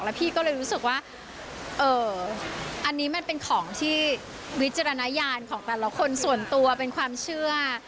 พี่ก็เลยรู้สึกว่าอันนี้มันเป็นของที่วิจารณญาณของแต่ละคนส่วนตัวเป็นความเชื่อ